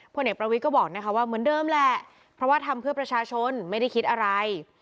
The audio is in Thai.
เอกประวิทย์ก็บอกนะคะว่าเหมือนเดิมแหละเพราะว่าทำเพื่อประชาชนไม่ได้คิดอะไร